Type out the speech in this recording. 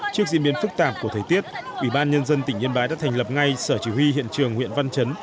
trước diễn biến phức tạp của thời tiết ủy ban nhân dân tỉnh yên bái đã thành lập ngay sở chỉ huy hiện trường huyện văn chấn